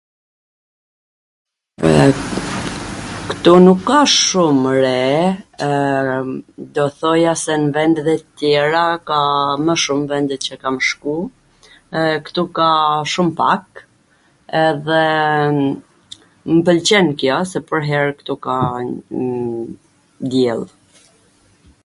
Ktu nuk ka shum re, do t thoja se n vendet e tjera ka mw shum n vendet qw kam shku, e ktu ka shum pak, edhe mw pwlqen kjo se pwrher ktu ka diell.